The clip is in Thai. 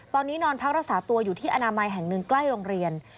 ตอนนี้นอนพักรักษาตัวอยู่ที่อนามัยแห่งหนึ่งใกล้โรงเรียน